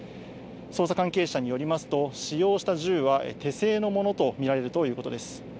捜査関係者によりますと、使用した銃は手製のものと見られるということです。